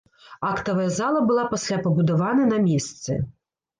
Актавая зала была пасля пабудаваны на месцы.